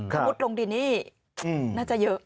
มุติลงดินนี่น่าจะเยอะ